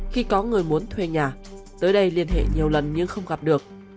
khi có người muốn thuê nhà tới đây liên hệ nhiều lần nhưng không gặp được